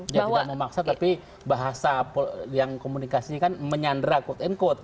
jadi tidak memaksa tapi bahasa yang komunikasi kan menyandera quote unquote